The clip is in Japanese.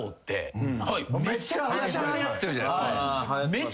めちゃくちゃはやってるじゃないすか。